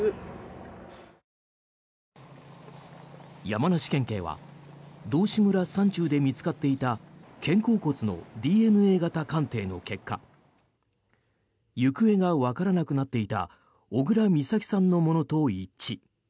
山梨県警は道志村山中で見つかっていた肩甲骨のＤＮＡ型鑑定の結果行方がわからなくなっていた小倉美咲さんのものと一致。